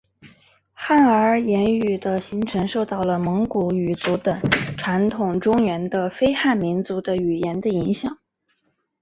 汉儿言语的形成受到了蒙古语族等统治中原的非汉民族的语言的影响。